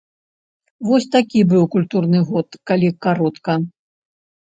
Вось такі быў культурны год, калі каротка.